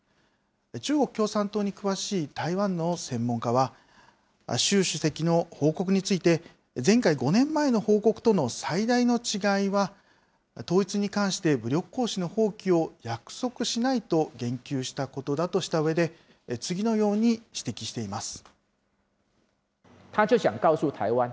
中国共産党に詳しい台湾の専門家は、習主席の報告について、前回・５年前の報告との最大の違いは、統一に関して武力行使の放棄を約束しないと言及したことだとしたうえで、次のように指摘しています。